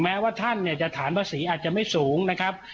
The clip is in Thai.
แม้ว่าท่านเนี่ยจะฐานภาษีอาจจะไม่สูงนะครับ